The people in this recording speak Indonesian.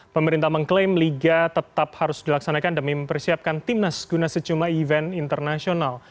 pemerintah mengklaim liga tetap harus dilaksanakan demi mempersiapkan timnas guna sejumlah event internasional